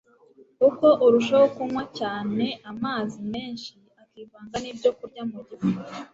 uko urushaho kunywa cyane amazi menshi akivanga n'ibyokurya mu gifu